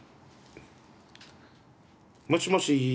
もしもし。